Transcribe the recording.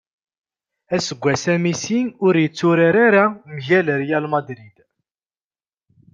Aseggas-a Messi ur yetturar ara mgal Real Madrid.